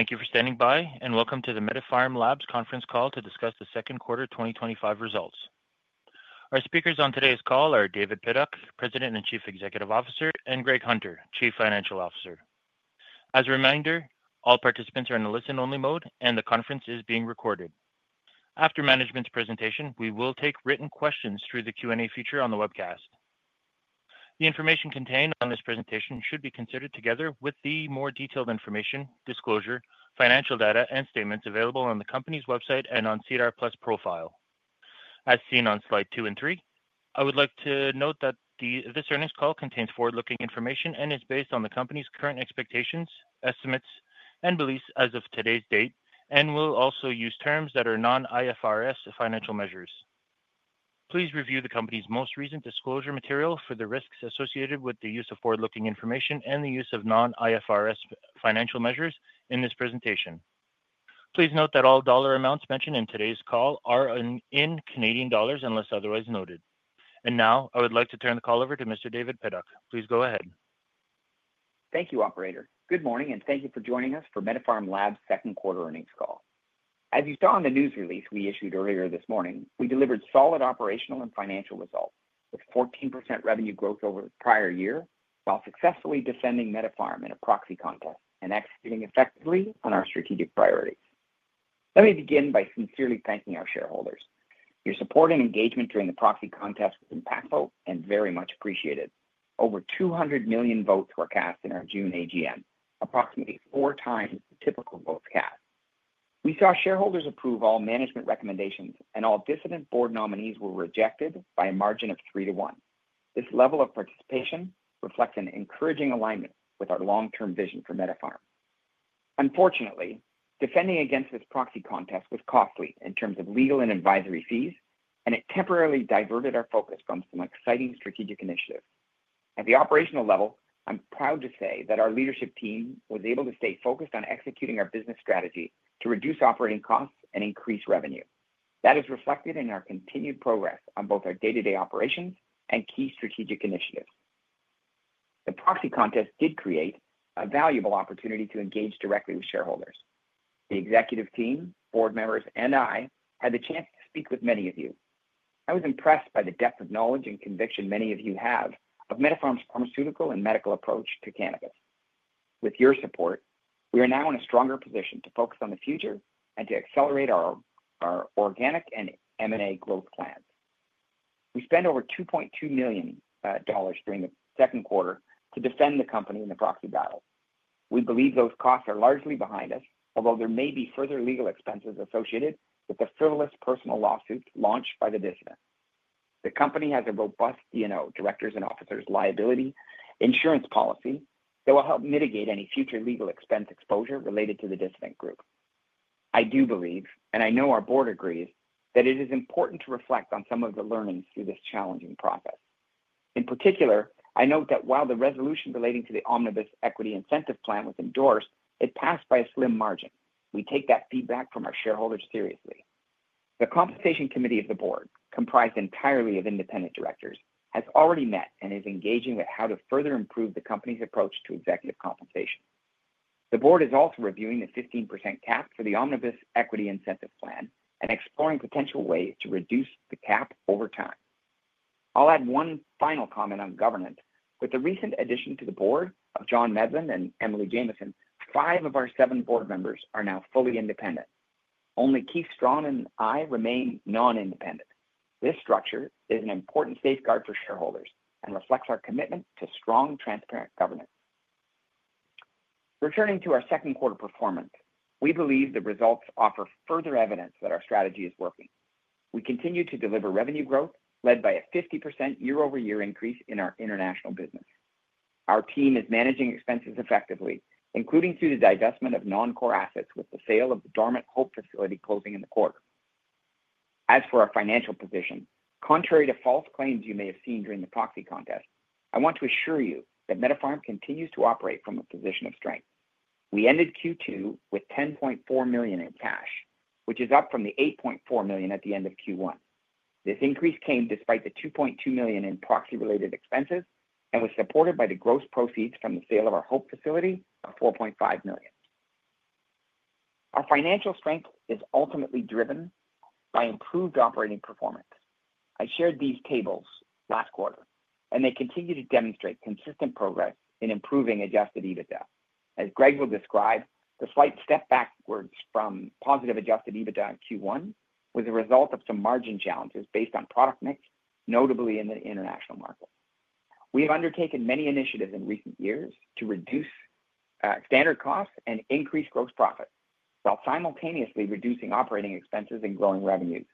Thank you for standing by and welcome to the MediPharm Labs Conference Call to discuss the Second Quarter 2025 Results. Our speakers on today's call are David Pidduck, President and Chief Executive Officer, and Greg Hunter, Chief Financial Officer. As a reminder, all participants are in a listen-only mode and the conference is being recorded. After management's presentation, we will take written questions through the Q&A feature on the webcast. The information contained on this presentation should be considered together with the more detailed information, disclosure, financial data, and statements available on the company's website and on SEDAR+ profile. As seen on slide two and three, I would like to note that this earnings call contains forward-looking information and is based on the company's current expectations, estimates, and beliefs as of today's date, and will also use terms that are non-IFRS financial measures. Please review the company's most recent disclosure material for the risks associated with the use of forward-looking information and the use of non-IFRS financial measures in this presentation. Please note that all dollar amounts mentioned in today's call are in Canadian dollars unless otherwise noted. I would like to turn the call over to Mr. David Pidduck. Please go ahead. Thank you, Operator. Good morning and thank you for joining us for MediPharm Labs' Second Quarter Earnings Call. As you saw in the news release we issued earlier this morning, we delivered solid operational and financial results with 14% revenue growth over the prior year, while successfully defending MediPharm in a proxy contest and executing effectively on our strategic priorities. Let me begin by sincerely thanking our shareholders. Your support and engagement during the proxy contest was impactful and very much appreciated. Over 200 million votes were cast in our June AGM, approximately four times the typical votes cast. We saw shareholders approve all management recommendations, and all dissident board nominees were rejected by a margin of three to one. This level of participation reflects an encouraging alignment with our long-term vision for MediPharm Labs. Unfortunately, defending against this proxy contest was costly in terms of legal and advisory fees, and it temporarily diverted our focus from some exciting strategic initiatives. At the operational level, I'm proud to say that our leadership team was able to stay focused on executing our business strategy to reduce operating costs and increase revenue. That is reflected in our continued progress on both our day-to-day operations and key strategic initiatives. The proxy contest did create a valuable opportunity to engage directly with shareholders. The executive team, board members, and I had the chance to speak with many of you. I was impressed by the depth of knowledge and conviction many of you have of MediPharm Labs' pharmaceutical and medical approach to cannabis. With your support, we are now in a stronger position to focus on the future and to accelerate our organic and M&A growth plans. We spent over $2.2 million during the second quarter to defend the company in the proxy battle. We believe those costs are largely behind us, although there may be further legal expenses associated with the frivolous personal lawsuit launched by the dissident. The company has a robust D&O, directors and officers' liability insurance policy that will help mitigate any future legal expense exposure related to the dissident group. I do believe, and I know our board agrees, that it is important to reflect on some of the learnings through this challenging process. In particular, I note that while the resolution relating to the omnibus equity incentive plan was endorsed, it passed by a slim margin. We take that feedback from our shareholders seriously. The Compensation Committee of the board, comprised entirely of independent directors, has already met and is engaging with how to further improve the company's approach to executive compensation. The board is also reviewing the 15% cap for the omnibus equity incentive plan and exploring potential ways to reduce the cap over time. I'll add one final comment on governance. With the recent addition to the board of John Medland and Emily Jameson, five of our seven board members are now fully independent. Only Keith Strachan and I remain non-independent. This structure is an important safeguard for shareholders and reflects our commitment to strong, transparent governance. Returning to our second quarter performance, we believe the results offer further evidence that our strategy is working. We continue to deliver revenue growth led by a 50% year-over-year increase in our international business. Our team is managing expenses effectively, including through the divestment of non-core assets with the sale of the dormant Hope Facility in the quarter. As for our financial position, contrary to false claims you may have seen during the proxy contest, I want to assure you that MediPharm Labs continues to operate from a position of strength. We ended Q2 with $10.4 million in cash, which is up from the $8.4 million at the end of Q1. This increase came despite the $2.2 million in proxy-related expenses and was supported by the gross proceeds from the sale of our Hope Facility of $4.5 million. Our financial strength is ultimately driven by improved operating performance. I shared these tables last quarter, and they continue to demonstrate consistent progress in improving adjusted EBITDA. As Greg will describe, the slight step backwards from positive adjusted EBITDA in Q1 was a result of some margin challenges based on product mix, notably in the international market. We have undertaken many initiatives in recent years to reduce standard costs and increase gross profits, while simultaneously reducing operating expenses and growing revenues.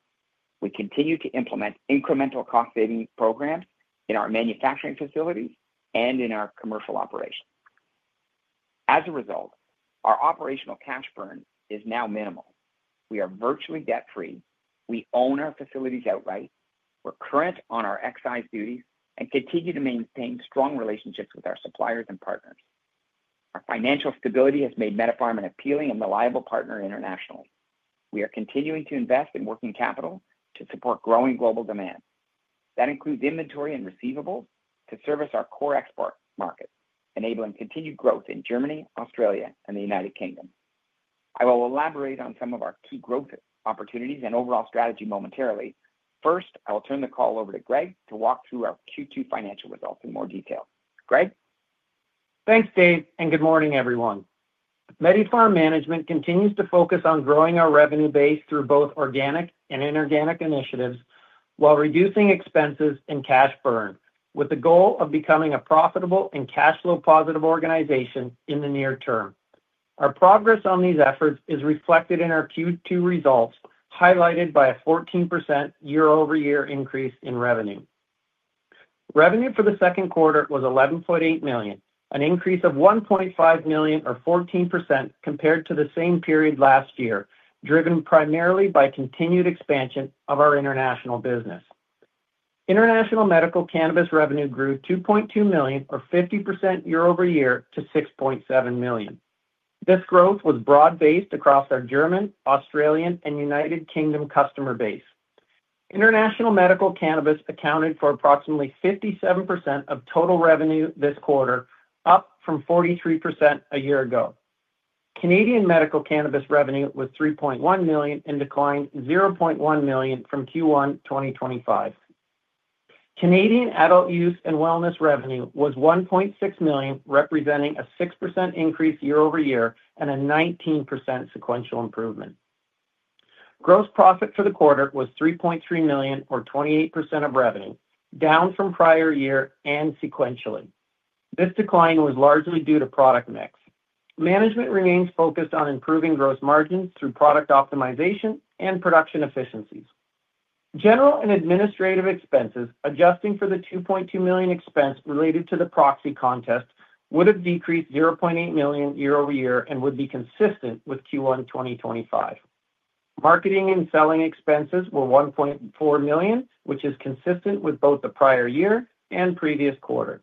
We continue to implement incremental cost-saving programs in our manufacturing facilities and in our commercial operations. As a result, our operational cash burn is now minimal. We are virtually debt-free. We own our facilities outright. We're current on our excise duties and continue to maintain strong relationships with our suppliers and partners. Our financial stability has made MediPharm an appealing and reliable partner internationally. We are continuing to invest in working capital to support growing global demand. That includes inventory and receivables to service our core export markets, enabling continued growth in Germany, Australia, and the United Kingdom. I will elaborate on some of our key growth opportunities and overall strategy momentarily. First, I will turn the call over to Greg to walk through our Q2 financial results in more detail. Greg? Thanks, Dave, and good morning, everyone. MediPharm management continues to focus on growing our revenue base through both organic and inorganic initiatives while reducing expenses and cash burn, with the goal of becoming a profitable and cash-flow-positive organization in the near term. Our progress on these efforts is reflected in our Q2 results, highlighted by a 14% year-over-year increase in revenue. Revenue for the second quarter was $11.8 million, an increase of $1.5 million, or 14% compared to the same period last year, driven primarily by continued expansion of our international business. International medical cannabis revenue grew $2.2 million, or 50% year-over-year, to $6.7 million. This growth was broad-based across our German, Australian, and United Kingdom customer base. International medical cannabis accounted for approximately 57% of total revenue this quarter, up from 43% a year ago. Canadian medical cannabis revenue was $3.1 million and declined $0.1 million from Q1 2025. Canadian adult use and wellness revenue was $1.6 million, representing a 6% increase year-over-year and a 19% sequential improvement. Gross profit for the quarter was $3.3 million, or 28% of revenue, down from prior year and sequentially. This decline was largely due to product mix. Management remains focused on improving gross margins through product optimization and production efficiencies. General and administrative expenses, adjusting for the $2.2 million expense related to the proxy contest, would have decreased $0.8 million year-over-year and would be consistent with Q1 2025. Marketing and selling expenses were $1.4 million, which is consistent with both the prior year and previous quarter.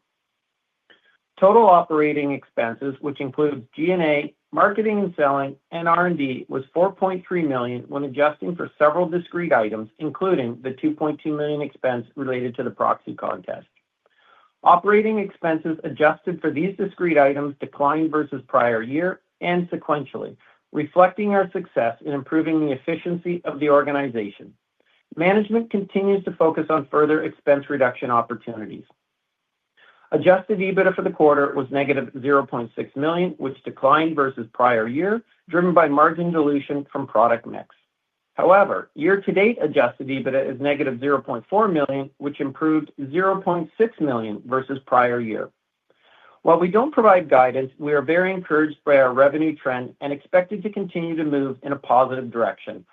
Total operating expenses, which include D&A, marketing and selling, and R&D, was $4.3 million when adjusting for several discrete items, including the $2.2 million expense related to the proxy contest. Operating expenses adjusted for these discrete items declined versus prior year and sequentially, reflecting our success in improving the efficiency of the organization. Management continues to focus on further expense reduction opportunities. Adjusted EBITDA for the quarter was negative $0.6 million, which declined versus prior year, driven by margin dilution from product mix. However, year-to-date adjusted EBITDA is negative $0.4 million, which improved $0.6 million versus prior year. While we don't provide guidance, we are very encouraged by our revenue trend and expected to continue to move in a positive direction,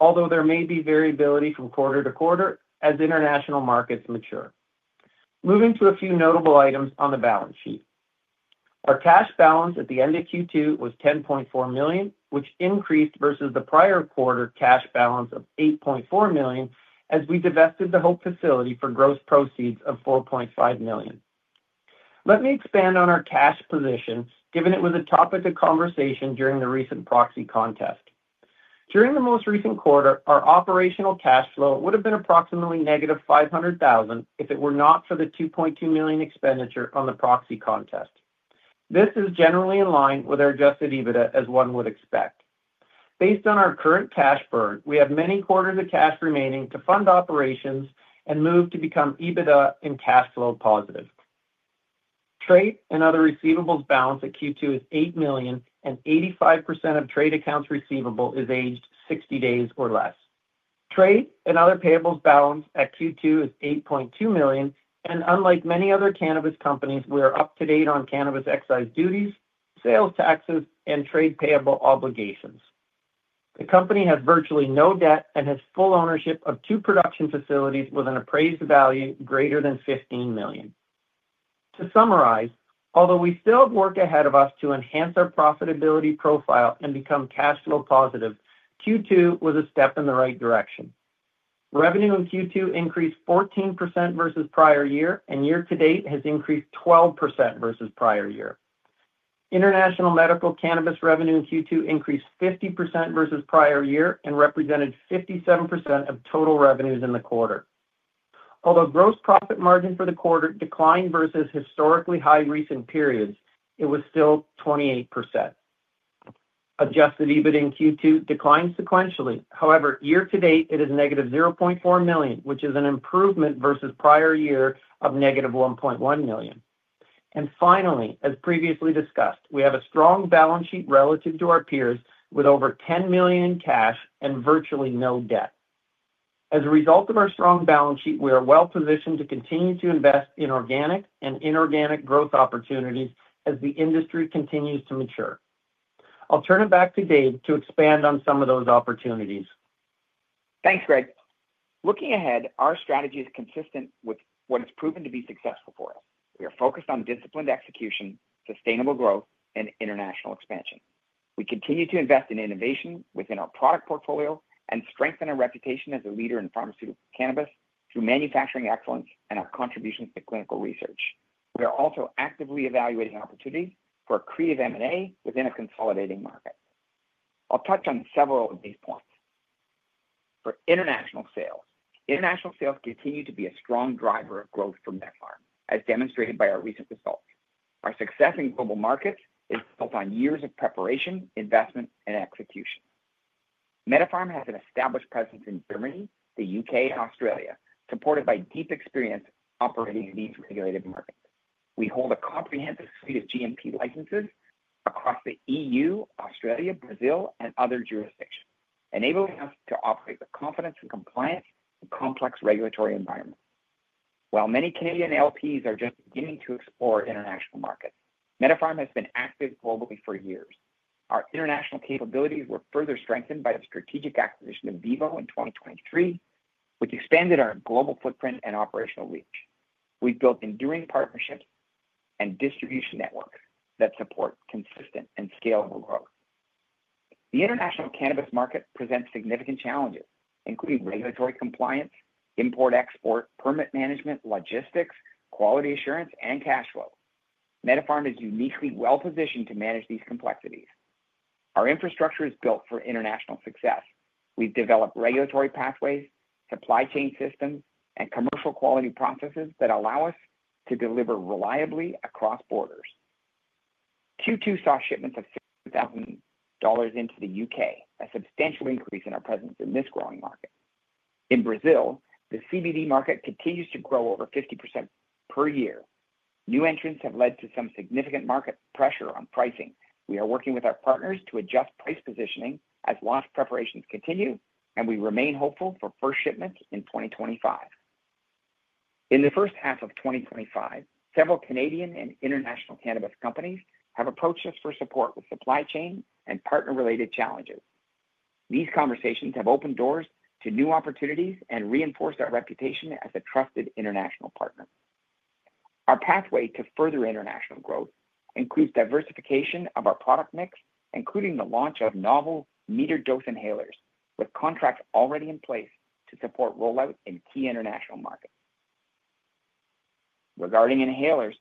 although there may be variability from quarter to quarter as international markets mature. Moving to a few notable items on the balance sheet. Our cash balance at the end of Q2 was $10.4 million, which increased versus the prior quarter cash balance of $8.4 million as we divested the Hope Facility for gross proceeds of $4.5 million. Let me expand on our cash position, given it was a topic of conversation during the recent proxy contest. During the most recent quarter, our operational cash flow would have been approximately -$500,000 if it were not for the $2.2 million expenditure on the proxy contest. This is generally in line with our adjusted EBITDA as one would expect. Based on our current cash burn, we have many quarters of cash remaining to fund operations and move to become EBITDA and cash flow positive. Trade and other receivables balance at Q2 is $8 million, and 85% of trade accounts receivable is aged 60 days or less. Trade and other payables balance at Q2 is $8.2 million, and unlike many other cannabis companies, we are up to date on cannabis excise duties, sales taxes, and trade payable obligations. The company has virtually no debt and has full ownership of two production facilities with an appraised value greater than $15 million. To summarize, although we still have work ahead of us to enhance our profitability profile and become cash flow positive, Q2 was a step in the right direction. Revenue in Q2 increased 14% versus prior year, and year to date has increased 12% versus prior year. International medical cannabis revenue in Q2 increased 50% versus prior year and represented 57% of total revenues in the quarter. Although gross profit margin for the quarter declined versus historically high recent periods, it was still 28%. Adjusted EBITDA in Q2 declined sequentially, however, year to date it is -$0.4 million, which is an improvement versus prior year of -$1.1 million. Finally, as previously discussed, we have a strong balance sheet relative to our peers with over $10 million in cash and virtually no debt. As a result of our strong balance sheet, we are well positioned to continue to invest in organic and inorganic growth opportunities as the industry continues to mature. I'll turn it back to Dave to expand on some of those opportunities. Thanks, Greg. Looking ahead, our strategy is consistent with what has proven to be successful for us. We are focused on disciplined execution, sustainable growth, and international expansion. We continue to invest in innovation within our product portfolio and strengthen our reputation as a leader in pharmaceutical cannabis through manufacturing excellence and our contributions to clinical research. We are also actively evaluating opportunities for accretive M&A within a consolidating market. I'll touch on several of these points. For international sales, international sales continue to be a strong driver of growth for MediPharm Labs, as demonstrated by our recent results. Our success in global markets is built on years of preparation, investment, and execution. MediPharm Labs has an established presence in Germany, the United Kingdom, and Australia, supported by deep experience operating in these regulated markets. We hold a comprehensive suite of GMP licenses across the EU, Australia, Brazil, and other jurisdictions, enabling us to operate with confidence and compliance in complex regulatory environments. While many Canadian LPs are just beginning to explore international markets, MediPharm has been active globally for years. Our international capabilities were further strengthened by the strategic acquisition of VIVO in 2023, which expanded our global footprint and operational reach. We've built enduring partnerships and distribution networks that support consistent and scalable growth. The international cannabis market presents significant challenges, including regulatory compliance, import-export, permit management, logistics, quality assurance, and cash flow. MediPharm is uniquely well-positioned to manage these complexities. Our infrastructure is built for international success. We've developed regulatory pathways, supply chain systems, and commercial quality processes that allow us to deliver reliably across borders. Q2 saw shipments of $60,000 into the United Kingdom, a substantial increase in our presence in this growing market. In Brazil, the CBD market continues to grow over 50% per year. New entrants have led to some significant market pressure on pricing. We are working with our partners to adjust price positioning as loss preparations continue, and we remain hopeful for first shipments in 2025. In the first half of 2025, several Canadian and international cannabis companies have approached us for support with supply chain and partner-related challenges. These conversations have opened doors to new opportunities and reinforced our reputation as a trusted international partner. Our pathway to further international growth includes diversification of our product mix, including the launch of novel metered-dose inhalers with contracts already in place to support rollout in key international markets. Regarding inhalers,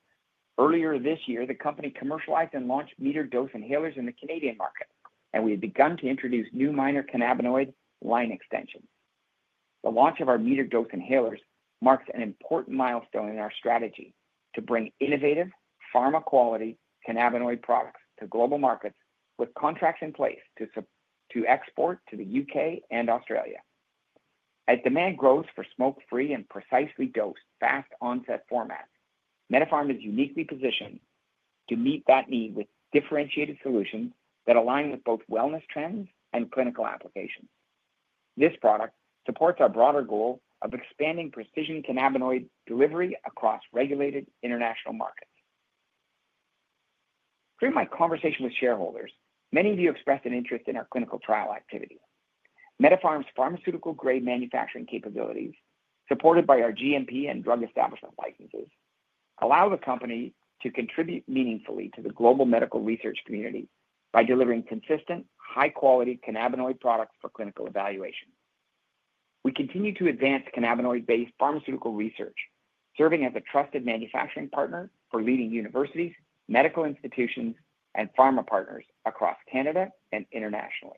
earlier this year, the company commercialized and launched metered-dose inhalers in the Canadian market, and we had begun to introduce new minor cannabinoid line extensions. The launch of our metered-dose inhalers marks an important milestone in our strategy to bring innovative pharma-quality cannabinoid products to global markets with contracts in place to export to the United Kingdom and Australia. As demand grows for smoke-free and precisely dosed fast-onset formats, MediPharm Labs is uniquely positioned to meet that need with differentiated solutions that align with both wellness trends and clinical applications. This product supports our broader goal of expanding precision cannabinoid delivery across regulated international markets. During my conversation with shareholders, many of you expressed an interest in our clinical trial activity. MediPharm Labs' pharmaceutical-grade manufacturing capabilities, supported by our GMP and drug establishment licenses, allow the company to contribute meaningfully to the global medical research community by delivering consistent, high-quality cannabinoid products for clinical evaluation. We continue to advance cannabinoid-based pharmaceutical research, serving as a trusted manufacturing partner for leading universities, medical institutions, and pharma partners across Canada and internationally.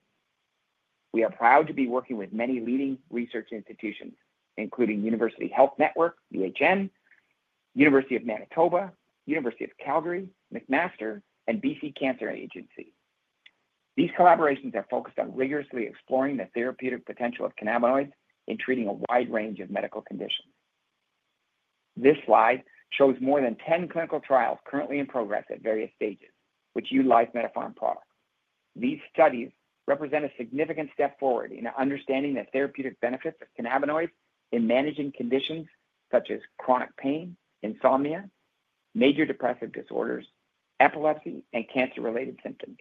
We are proud to be working with many leading research institutions, including University Health Network, University Health Network, University of Manitoba, University of Calgary, McMaster, and BC Cancer Agency. These collaborations are focused on rigorously exploring the therapeutic potential of cannabinoids in treating a wide range of medical conditions. This slide shows more than 10 clinical trials currently in progress at various stages, which utilize MediPharm Labs products. These studies represent a significant step forward in understanding the therapeutic benefits of cannabinoids in managing conditions such as chronic pain, insomnia, major depressive disorders, epilepsy, and cancer-related symptoms.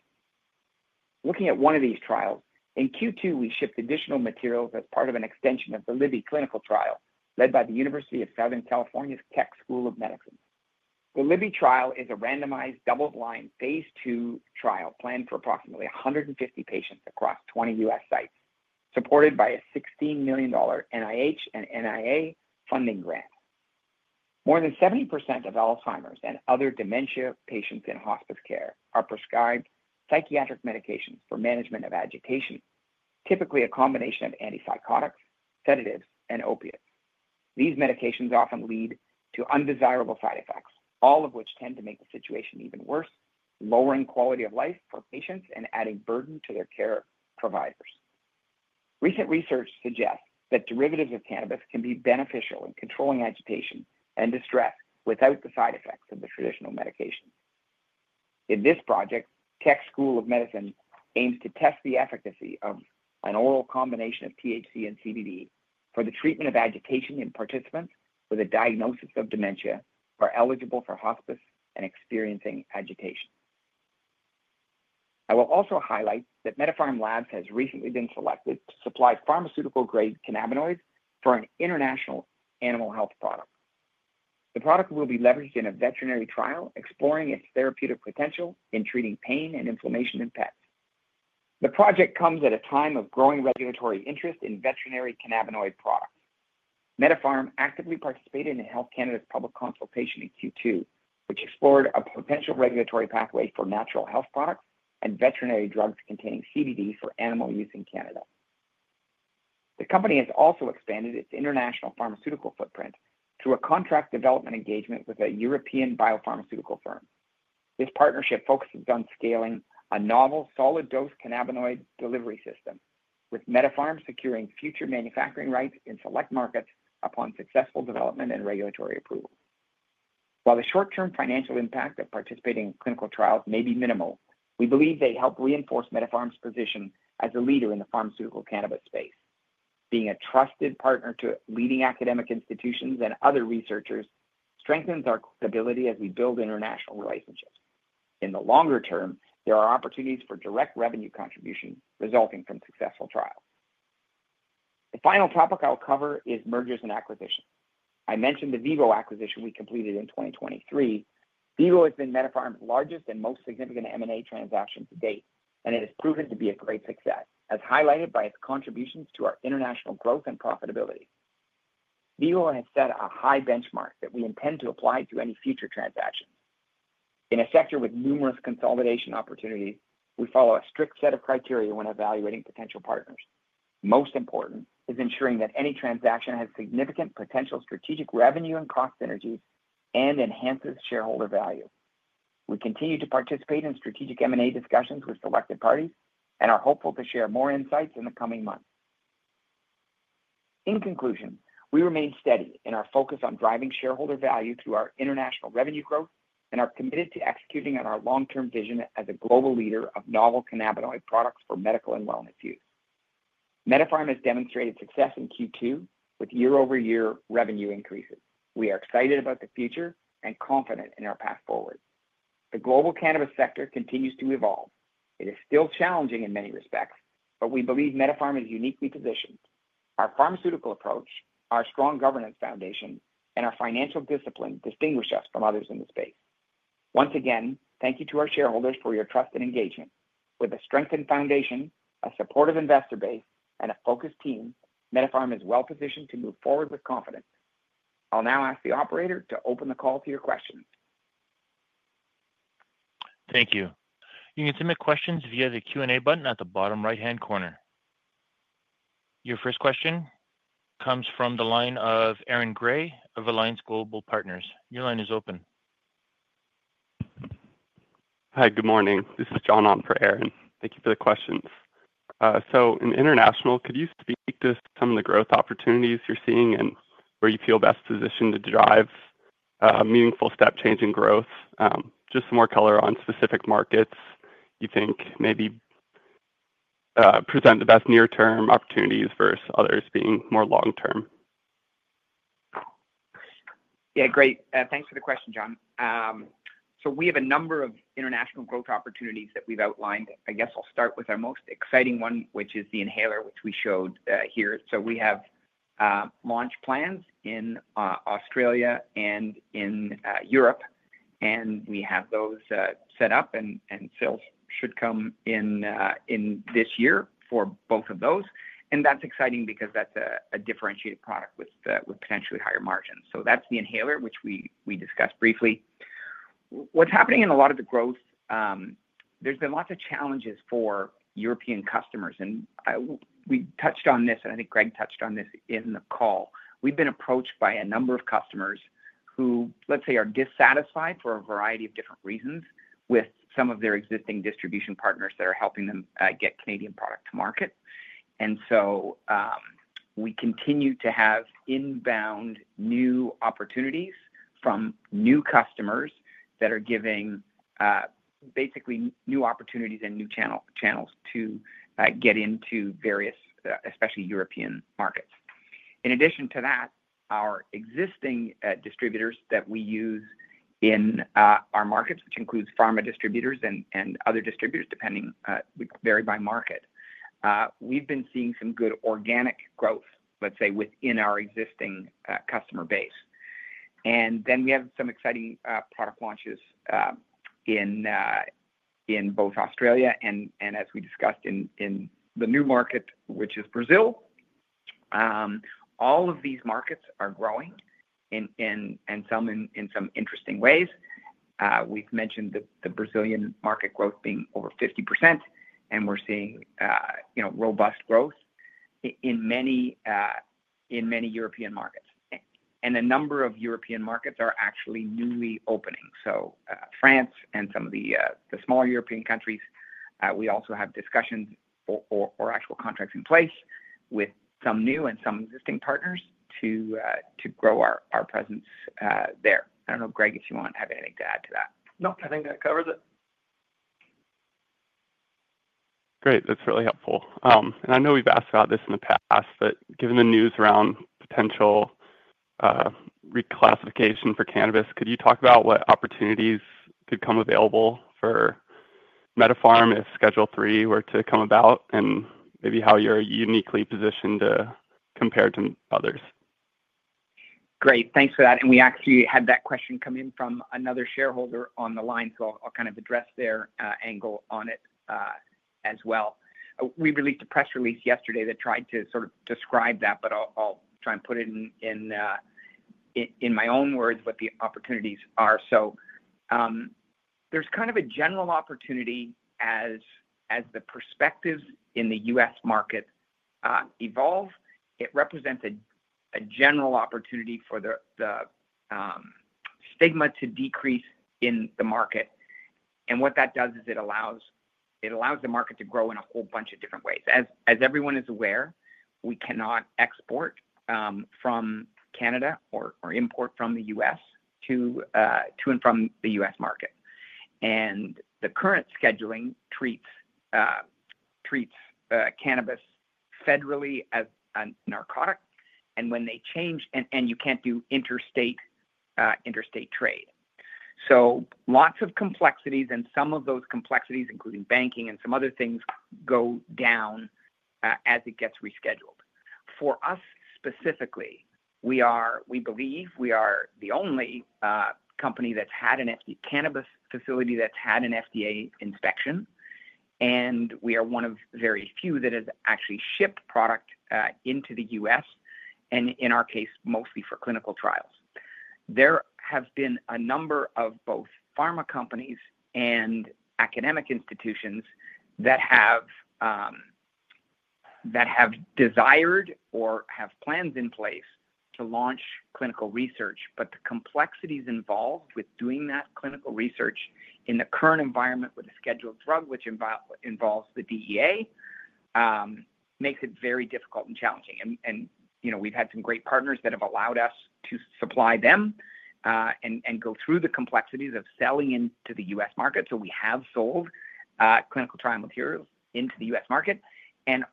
Looking at one of these trials, in Q2, we shipped additional materials as part of an extension of the LiBBY clinical trial led by the University of Southern California's Keck School of Medicine. The LiBBY trial is a randomized double-blind phase II trial planned for approximately 150 patients across 20 U.S. sites, supported by a $16 million NIH and NIA funding grant. More than 70% of Alzheimer's and other dementia patients in hospice care are prescribed psychiatric medications for management of agitation, typically a combination of antipsychotics, sedatives, and opiates. These medications often lead to undesirable side effects, all of which tend to make the situation even worse, lowering quality of life for patients and adding burden to their care providers. Recent research suggests that derivatives of cannabis can be beneficial in controlling agitation and distress without the side effects of the traditional medication. In this project, Keck School of Medicine aims to test the efficacy of an oral combination of THC and CBD for the treatment of agitation in participants with a diagnosis of dementia or eligible for hospice and experiencing agitation. I will also highlight that MediPharm Labs has recently been selected to supply pharmaceutical-grade cannabinoids for an international animal health product. The product will be leveraged in a veterinary trial exploring its therapeutic potential in treating pain and inflammation in pets. The project comes at a time of growing regulatory interest in veterinary cannabinoid products. MediPharm actively participated in a Health Canada's public consultation in Q2, which explored a potential regulatory pathway for natural health products and veterinary drugs containing CBD for animal use in Canada. The company has also expanded its international pharmaceutical footprint through a contract development engagement with a European biopharmaceutical firm. This partnership focuses on scaling a novel solid-dose cannabinoid delivery system, with MediPharm securing future manufacturing rights in select markets upon successful development and regulatory approval. While the short-term financial impact of participating in clinical trials may be minimal, we believe they help reinforce MediPharm's position as a leader in the pharmaceutical cannabis space. Being a trusted partner to leading academic institutions and other researchers strengthens our credibility as we build international relationships. In the longer term, there are opportunities for direct revenue contribution resulting from successful trials. The final topic I'll cover is mergers and acquisitions. I mentioned the VIVO acquisition we completed in 2023. VIVO has been MediPharm's largest and most significant M&A transaction to date, and it has proven to be a great success, as highlighted by its contributions to our international growth and profitability. VIVO has set a high benchmark that we intend to apply to any future transaction. In a sector with numerous consolidation opportunities, we follow a strict set of criteria when evaluating potential partners. Most important is ensuring that any transaction has significant potential strategic revenue and cost synergy and enhances shareholder value. We continue to participate in strategic M&A discussions with selected parties and are hopeful to share more insights in the coming months. In conclusion, we remain steady in our focus on driving shareholder value through our international revenue growth and are committed to executing on our long-term vision as a global leader of novel cannabinoid products for medical and wellness use. MediPharm Labs has demonstrated success in Q2 with year-over-year revenue increases. We are excited about the future and confident in our path forward. The global cannabis sector continues to evolve. It is still challenging in many respects, but we believe MediPharm is uniquely positioned. Our pharmaceutical approach, our strong governance foundation, and our financial discipline distinguish us from others in the space. Once again, thank you to our shareholders for your trust and engagement. With a strengthened foundation, a supportive investor base, and a focused team, MediPharm Labs is well-positioned to move forward with confidence. I'll now ask the operator to open the call to your questions. Thank you. You can submit questions via the Q&A button at the bottom right-hand corner. Your first question comes from the line of Aaron Gray of Alliance Global Partners. Your line is open. Hi, good morning. This is John on for Aaron. Thank you for the questions. In international, could you speak to some of the growth opportunities you're seeing and where you feel best positioned to drive a meaningful step change in growth? Just some more color on specific markets you think maybe present the best near-term opportunities versus others being more long-term. Yeah, great. Thanks for the question, John. We have a number of international growth opportunities that we've outlined. I guess I'll start with our most exciting one, which is the inhaler, which we showed here. We have launch plans in Australia and in Europe, and we have those set up and sales should come in this year for both of those. That's exciting because that's a differentiated product with potentially higher margins. That's the inhaler, which we discussed briefly. What's happening in a lot of the growth, there's been lots of challenges for European customers. We touched on this, and I think Greg touched on this in the call. We've been approached by a number of customers who, let's say, are dissatisfied for a variety of different reasons with some of their existing distribution partners that are helping them get Canadian product to market. We continue to have inbound new opportunities from new customers that are giving basically new opportunities and new channels to get into various, especially European, markets. In addition to that, our existing distributors that we use in our markets, which includes pharma distributors and other distributors, depending, we vary by market. We've been seeing some good organic growth, let's say, within our existing customer base. We have some exciting product launches in both Australia and, as we discussed, in the new market, which is Brazil. All of these markets are growing in some interesting ways. We've mentioned the Brazilian market growth being over 50%, and we're seeing robust growth in many European markets. A number of European markets are actually newly opening. France and some of the smaller European countries, we also have discussions or actual contracts in place with some new and some existing partners to grow our presence there. I don't know, Greg, if you want to add anything to add to that. No, I think that covers it. Great, that's really helpful. I know we've asked about this in the past, but given the news around potential reclassification for cannabis, could you talk about what opportunities could come available for MediPharm Labs if Schedule III were to come about and maybe how you're uniquely positioned to compare to others? Great, thanks for that. We actually had that question come in from another shareholder on the line, so I'll kind of address their angle on it as well. We released a press release yesterday that tried to sort of describe that, but I'll try and put it in my own words what the opportunities are. There's kind of a general opportunity as the perspectives in the U.S. market evolve. It represents a general opportunity for the stigma to decrease in the market. What that does is it allows the market to grow in a whole bunch of different ways. As everyone is aware, we cannot export from Canada or import from the U.S. to and from the U.S. market. The current scheduling treats cannabis federally as a narcotic. When they change, you can't do interstate trade. There are lots of complexities, and some of those complexities, including banking and some other things, go down as it gets rescheduled. For us specifically, we believe we are the only company that's had a cannabis facility that's had an FDA inspection. We are one of very few that has actually shipped product into the U.S., and in our case, mostly for clinical trials. There have been a number of both pharma companies and academic institutions that have desired or have plans in place to launch clinical research, but the complexities involved with doing that clinical research in the current environment with a scheduled drug, which involves the DEA, makes it very difficult and challenging. We've had some great partners that have allowed us to supply them and go through the complexities of selling into the U.S. market. We have sold clinical trial materials into the U.S. market.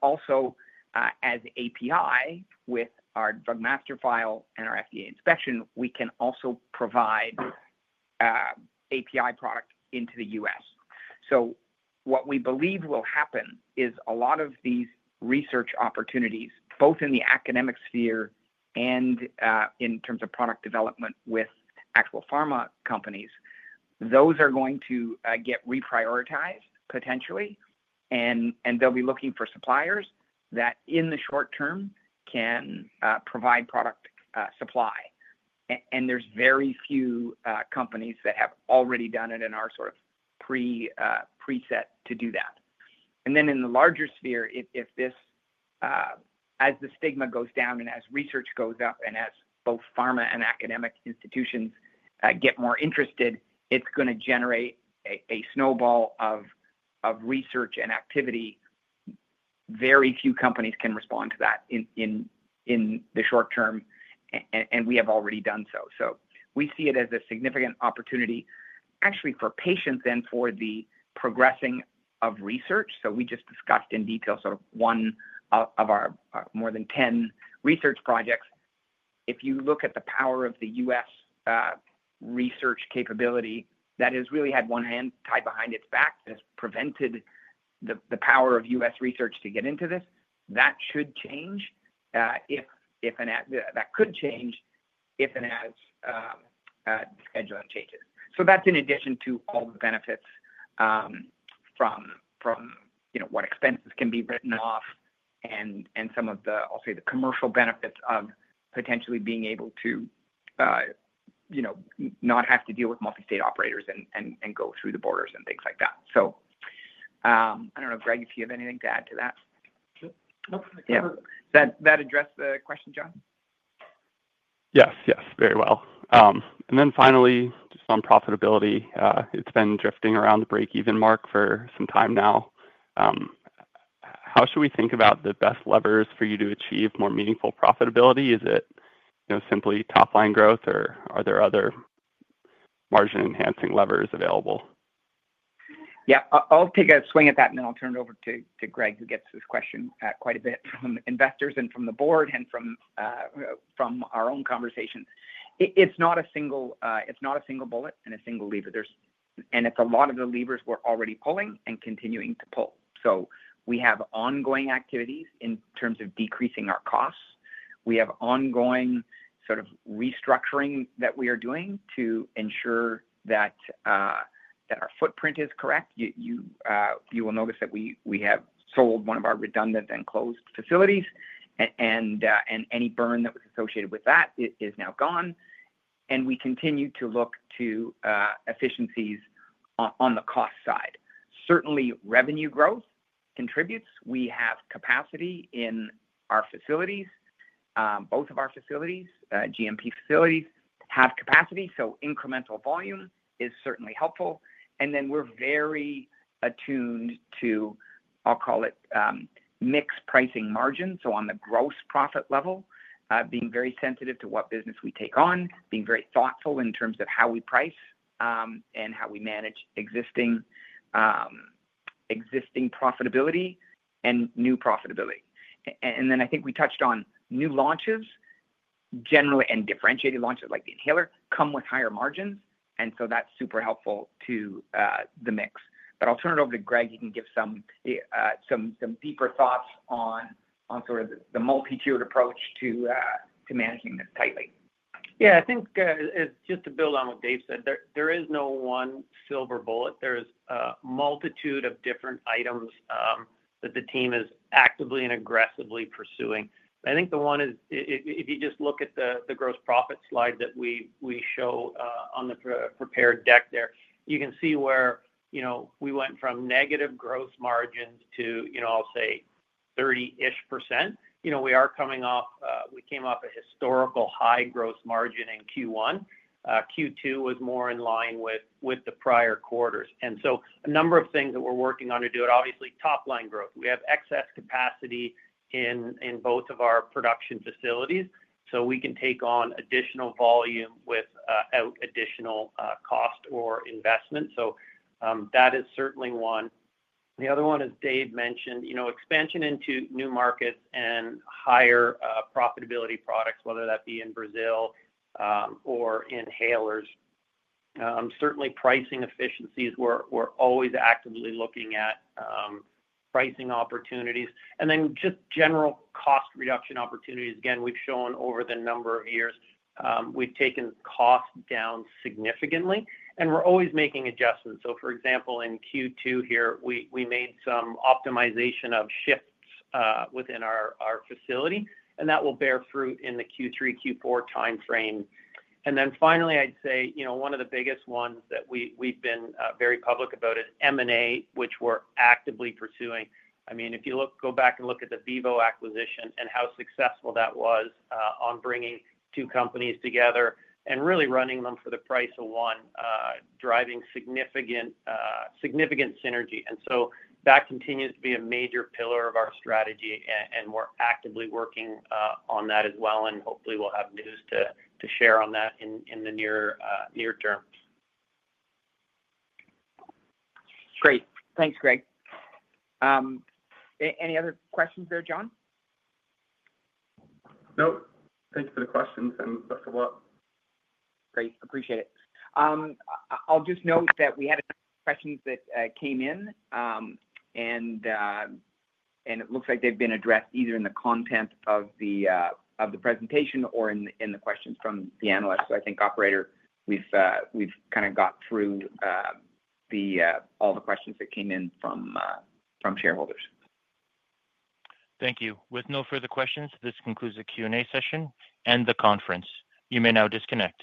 Also, as API with our Drug Master File and our FDA inspection, we can also provide API product into the U.S. What we believe will happen is a lot of these research opportunities, both in the academic sphere and in terms of product development with actual pharma companies, are going to get reprioritized potentially. They'll be looking for suppliers that in the short term can provide product supply. There are very few companies that have already done it and are sort of pre-set to do that. In the larger sphere, as the stigma goes down and as research goes up and as both pharma and academic institutions get more interested, it's going to generate a snowball of research and activity. Very few companies can respond to that in the short term, and we have already done so. We see it as a significant opportunity, actually, for patients and for the progressing of research. We just discussed in detail sort of one of our more than 10 research projects. If you look at the power of the U.S. research capability that has really had one hand tied behind its back and has prevented the power of U.S. research to get into this, that should change. That could change if and as scheduling changes. That's in addition to all the benefits from what expenses can be written off and some of the, I'll say, the commercial benefits of potentially being able to not have to deal with multi-state operators and go through the borders and things like that. I don't know, Greg, if you have anything to add to that. Nope, I think that covers it. That addressed the question, John? Yes, very well. Finally, just on profitability, it's been drifting around the break-even mark for some time now. How should we think about the best levers for you to achieve more meaningful profitability? Is it simply top-line growth, or are there other margin-enhancing levers available? Yeah, I'll take a swing at that, and then I'll turn it over to Greg, who gets this question quite a bit from investors and from the board and from our own conversations. It's not a single bullet and a single lever. It's a lot of the levers we're already pulling and continuing to pull. We have ongoing activities in terms of decreasing our costs. We have ongoing sort of restructuring that we are doing to ensure that our footprint is correct. You will notice that we have sold one of our redundant and closed facilities, and any burn that was associated with that is now gone. We continue to look to efficiencies on the cost side. Certainly, revenue growth contributes. We have capacity in our facilities. Both of our facilities, GMP facilities, have capacity. Incremental volume is certainly helpful. We're very attuned to, I'll call it, mixed pricing margins. On the gross profit level, being very sensitive to what business we take on, being very thoughtful in terms of how we price and how we manage existing profitability and new profitability. I think we touched on new launches, generally, and differentiated launches like the inhaler come with higher margins. That's super helpful to the mix. I'll turn it over to Greg. He can give some deeper thoughts on sort of the multitiered approach to managing this tightly. Yeah, I think, just to build on what Dave said, there is no one silver bullet. There's a multitude of different items that the team is actively and aggressively pursuing. I think the one is, if you just look at the gross profit slide that we show on the prepared deck there, you can see where we went from negative gross margins to, I'll say, 30% ish. We are coming off, we came off a historical high gross margin in Q1. Q2 was more in line with the prior quarters. A number of things that we're working on to do it, obviously, top-line growth. We have excess capacity in both of our production facilities. We can take on additional volume without additional cost or investment. That is certainly one. The other one is, Dave mentioned, you know, expansion into new markets and higher profitability products, whether that be in Brazil or inhalers. Certainly, pricing efficiencies, we're always actively looking at pricing opportunities. Then just general cost reduction opportunities. Again, we've shown over the number of years, we've taken costs down significantly. We're always making adjustments. For example, in Q2 here, we made some optimization of shifts within our facility. That will bear fruit in the Q3, Q4 timeframe. Finally, I'd say, you know, one of the biggest ones that we've been very public about is M&A, which we're actively pursuing. If you go back and look at the VIVO acquisition and how successful that was on bringing two companies together and really running them for the price of one, driving significant synergy. That continues to be a major pillar of our strategy, and we're actively working on that as well. Hopefully, we'll have news to share on that in the near term. Great. Thanks, Greg. Any other questions there, John? Thank you for the questions and best of luck. Great. Appreciate it. I'll just note that we had a question that came in, and it looks like they've been addressed either in the content of the presentation or in the questions from the analysts. I think, operator, we've kind of got through all the questions that came in from shareholders. Thank you. With no further questions, this concludes the Q&A session and the conference. You may now disconnect.